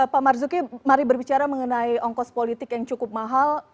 pak marzuki mari berbicara mengenai ongkos politik yang cukup mahal